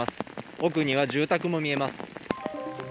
奥には住宅も見えます。